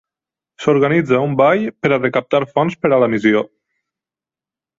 S’organitza un ball per recaptar fons per a la missió.